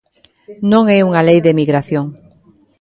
Non é unha lei de emigración.